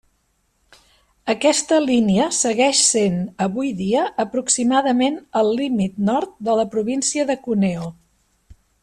Aquesta línia segueix sent avui dia aproximadament el límit nord de la província de Cuneo.